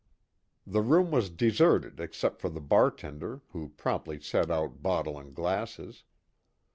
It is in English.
The room was deserted except for the bartender who promptly set out bottle and glasses.